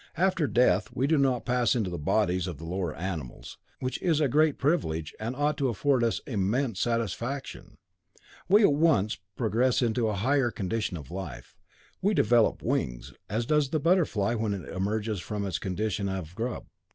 After death we do not pass into the bodies of the lower animals, which is a great privilege and ought to afford us immense satisfaction. We at once progress into a higher condition of life. We develop wings, as does the butterfly when it emerges from its condition of grub.